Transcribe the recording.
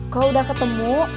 kalau udah ketemu